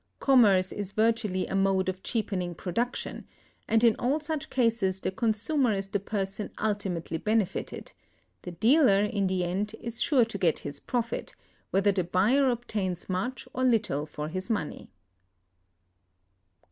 Commerce is virtually a mode of cheapening production; and in all such cases the consumer is the person ultimately benefited; the dealer, in the end, is sure to get his profit, whether the buyer obtains much or little for his money.